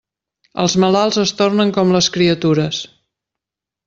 Els malalts es tornen com les criatures.